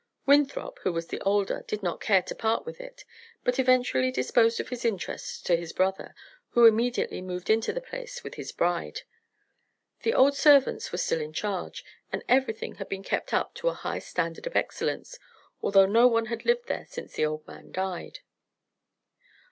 Winthrop, who was the older, did not care to part with it, but finally disposed of his interest to his brother, who immediately moved into the place with his bride. The old servants were still in charge, and everything had been kept up to a high standard of excellence, although no one had lived there since the old man died.